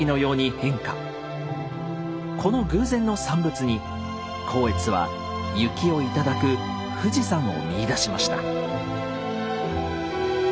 この偶然の産物に光悦は雪をいただく富士山を見いだしました。